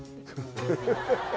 ハハハハ！